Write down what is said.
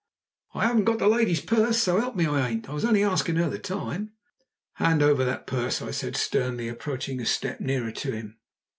"I haven't got the lady's purse, s'help me, I ain't! I was only a asking of 'er the time!" "Hand over that purse!" I said sternly, approaching a step nearer to him.